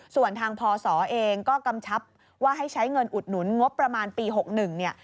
ส่วนทางพศเองก็กำชับว่าให้ใช้เงินอุดหนุนงบประมาณปี๖๑เนี่ย